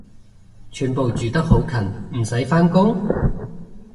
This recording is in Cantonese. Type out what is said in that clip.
全部住得好近唔使返工？